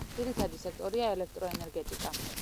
ძირითადი სექტორია ელექტროენერგეტიკა.